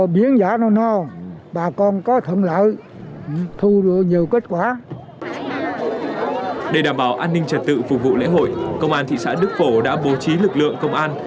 để đảm bảo an ninh trật tự phục vụ lễ hội công an thị xã đức phổ đã bố trí lực lượng công an